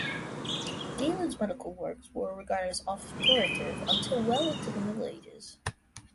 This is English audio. Galen's medical works were regarded as authoritative until well into the Middle Ages.